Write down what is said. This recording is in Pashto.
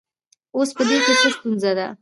اوس په دې کې څه ستونزه ده